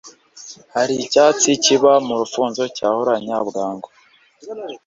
haricyatsi kiba murufunzo cyahuranya bwangu